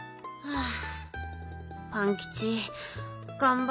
ああ。